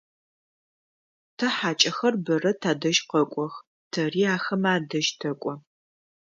Тэ хьакӏэхэр бэрэ тадэжь къэкӏох, тэри ахэмэ адэжь тэкӏо.